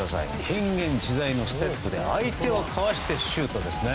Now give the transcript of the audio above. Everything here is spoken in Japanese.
変幻自在のステップで相手をかわしてシュートですね。